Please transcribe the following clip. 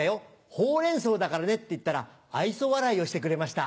ホウレンソウだからね」って言ったら愛想笑いをしてくれました。